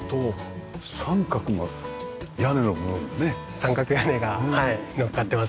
三角屋根がはいのっかってます。